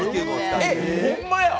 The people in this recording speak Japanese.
えっ！？ほんまや！